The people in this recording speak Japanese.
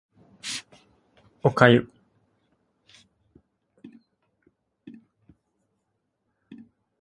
お粥